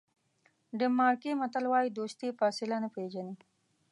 ډنمارکي متل وایي دوستي فاصله نه پیژني.